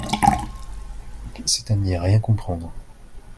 C’est à n’y rien comprendre.